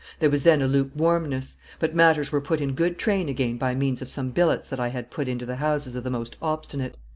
There was then a lukewarmness; but matters were put in good train again by means of some billets that I had put into the houses of the most obstinate.